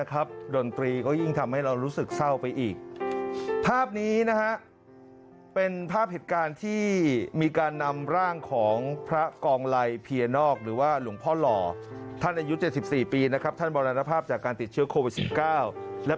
ขอบคุณครับมาส่งท่านกันที่นี่อีกนะครับ